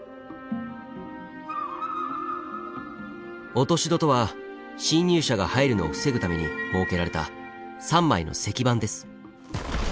落とし戸とは侵入者が入るのを防ぐために設けられた３枚の石板です。